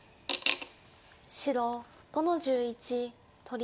白５の十一取り。